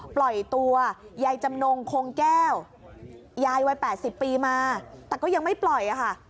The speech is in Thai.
ปล่อยตัวยายจำนงคงแก้วยายวัย๘๐ปีมาแต่ก็ยังไม่ปล่อยค่ะ